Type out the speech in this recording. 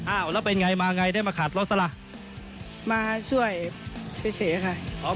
อ้าวแล้วเป็นไงมาไงได้มาขับรถซะล่ะมาช่วยเฉยค่ะ